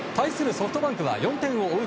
ソフトバンクは４点を追う